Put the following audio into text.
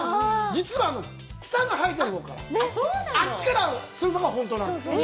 実は草が生えてるほうからあっちからするのが本当なんです。